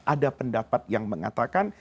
ada pendapat yang mengatakan